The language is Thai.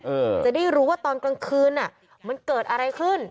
จะได้รู้ว่าตอนกลางคืนอ่ะมันเกิดอะไรขึ้น